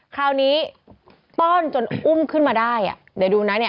คราวนี้ต้อนจนอุ้มขึ้นมาได้อ่ะเดี๋ยวดูนะเนี่ย